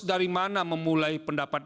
dari mana memulai pendapat